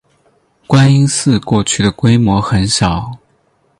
观音寺过去的规模很小。